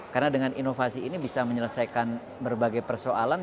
karena dengan inovasi ini bisa menyelesaikan berbagai persoalan